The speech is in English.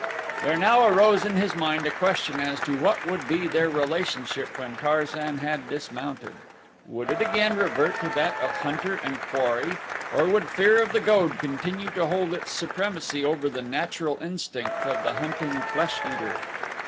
There now arose in his mind a question as to what would be their relationship when Tarzan had dismounted. Would it again revert to that of hunter and quarry or would fear of the goad continue to hold its supremacy over the natural instinct of the hunting flesh eater?